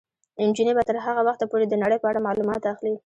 نجونې به تر هغه وخته پورې د نړۍ په اړه معلومات اخلي.